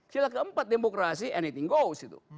sila keempat demokrasi anything gost itu